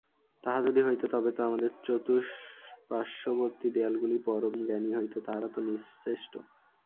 তাহা যদি হইত তবে তো আমাদের চতুষ্পার্শ্ববর্তী দেয়ালগুলিই পরমজ্ঞানী হইত, তাহারা তো নিশ্চেষ্ট।